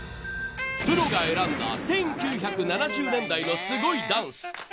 プロが選んだ１９７０年代のすごいダンス。